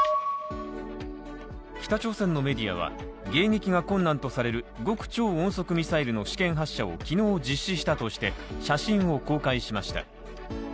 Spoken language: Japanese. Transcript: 北朝鮮のメディアは迎撃が困難とされる極超音速ミサイルの試験発射を昨日実施したとして、写真を公開しました。